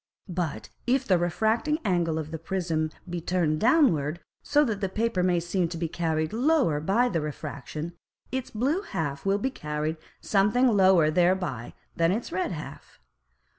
But if the refracting Angle of the Prism be turned downward, so that the Paper may seem to be carried lower by the Refraction, its blue half will be carried something lower thereby than its red half.